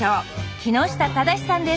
木下唯志さんです